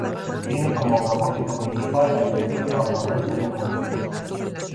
Tiene como propósito principal dar servicio al noroeste del municipio.